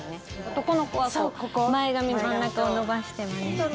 男の子は前髪、真ん中を伸ばしてまねして。